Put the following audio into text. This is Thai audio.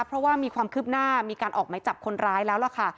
เพราะว่ามีความคืบหน้ามีการออกไหมจับคนร้ายแล้วล่ะค่ะ